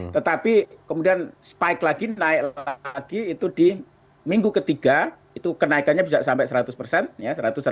tetapi kemudian spike lagi naik lagi itu di minggu ketiga itu kenaikannya bisa sampai seratus persen